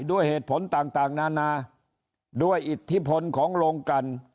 ด้วยเหตุผลต่างนานาด้วยอิทธิพลของโรงกัน